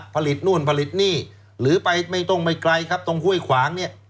ผลิตนู่นผลิตนี่หรือไปไม่ต้องไม่ไกลครับตรงห้วยขวางเนี่ย